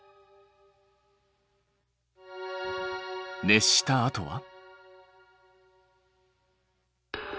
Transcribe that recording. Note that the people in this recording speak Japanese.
熱したあとは？